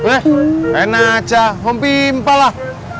eh enak aja ngomong pimpel lah